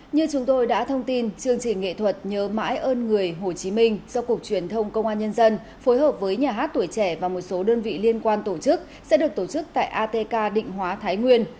như chúng tôi đã thông tin chương trình nghệ thuật nhớ mãi ơn người hồ chí minh do cục truyền thông công an nhân dân phối hợp với nhà hát tuổi trẻ và một số đơn vị liên quan tổ chức sẽ được tổ chức tại atk định hóa thái nguyên